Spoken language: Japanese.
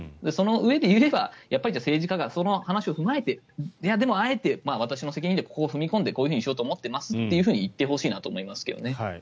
そのうえで言えば政治家がその話を踏まえてでも、あえて私の責任でこう踏み込んでこういうふうにしようと思っていますと言ってほしいと思いますけどね。